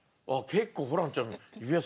結構ホランちゃん。